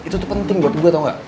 itu tuh penting buat gue tau gak